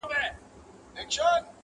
گرول يې خپل غوږونه په لاسونو!.